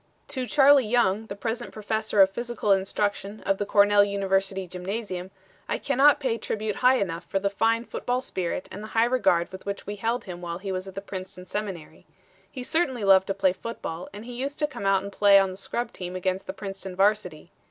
To Charlie Young, the present professor of physical instruction of the Cornell University gymnasium, I cannot pay tribute high enough for the fine football spirit and the high regard with which we held him while he was at the Princeton Seminary. He certainly loved to play football and he used to come out and play on the scrub team against the Princeton varsity.